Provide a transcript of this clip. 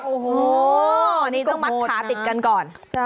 โอ้โหนี่ต้องมัดขาติดกันก่อน